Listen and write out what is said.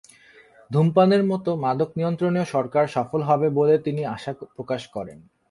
ধূমপানের মতো মাদক নিয়ন্ত্রণেও সরকার সফল হবে বলে তিনি আশা প্রকাশ করেন।